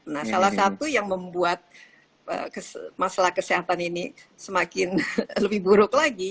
nah salah satu yang membuat masalah kesehatan ini semakin lebih buruk lagi